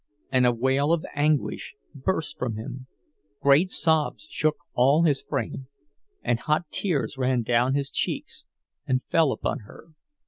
And a wail of anguish burst from him, great sobs shook all his frame, and hot tears ran down his cheeks and fell upon her.